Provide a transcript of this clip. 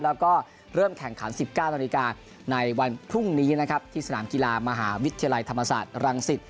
แล้วก็เริ่มแข่งขัน๑๙นาฬิกาในวันพรุ่งนี้นะครับที่สนามกีฬามหาวิทยาลัยธรรมศาสตร์รังสิต